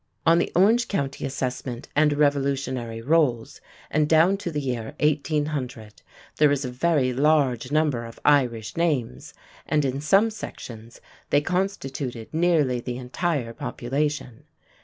On the Orange County assessment and Revolutionary rolls, and down to the year 1800, there is a very large number of Irish names, and in some sections they constituted nearly the entire population.